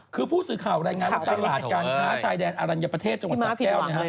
คือผู้สื่อข่าวรายงานว่าตลาดการค้าชายแดนอรัญญประเทศจังหวัดสะแก้ว